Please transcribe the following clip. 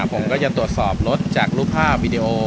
ผมก็จะตรวจสอบรถจากรูปภาพวิดีโอ